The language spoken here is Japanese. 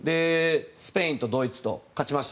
スペインとドイツと勝ちました。